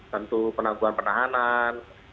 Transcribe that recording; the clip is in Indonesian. tentu penangguhan penahanan